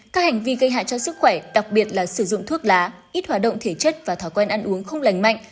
các hành vi gây hại cho sức khỏe đặc biệt là sử dụng thuốc lá ít hoạt động thể chất và thói quen ăn uống không lành mạnh